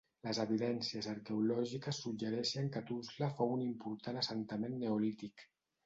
Les evidències arqueològiques suggereixen que Tuzla fou un important assentament neolític.